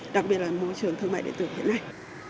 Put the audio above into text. đặc biệt là môi trường thương mại điện tử hiện nay